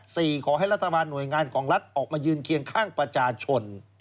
ขอให้รัฐบาลหน่วยงานของรัฐออกมายืนเคียงข้างประชาชน